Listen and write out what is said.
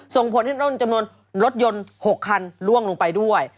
ส่งผลให้ต้นจำนวนรถยนต์๖คันล่วงลงไปด้วย